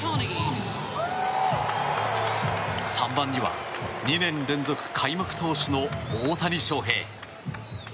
３番には、２年連続開幕投手の大谷翔平。